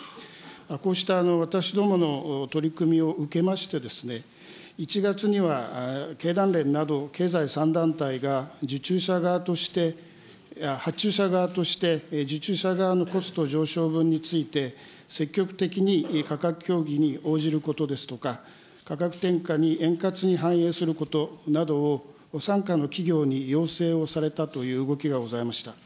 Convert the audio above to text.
こうした私どもの取り組みを受けまして、１月には経団連など、経済３団体が受注者側として、発注者側として、受注者側のコスト上昇分について、積極的に価格協議に応じることですとか、価格転嫁に円滑に反映することなどを傘下の企業に要請をされたという動きがございました。